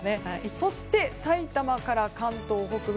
そして、さいたまから関東北部